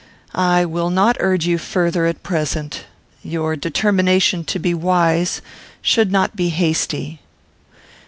"I will not urge you further at present. Your determination to be wise should not be hasty.